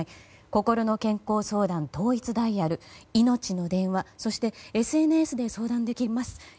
こころの健康相談統一ダイヤルいのちの電話そしてＳＮＳで相談できます。